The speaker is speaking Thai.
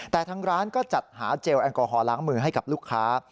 แต่ทางร้านก็จัดหาเจลแอลกอฮอลล้างมือให้กับลูกค้า